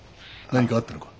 何かあったのか？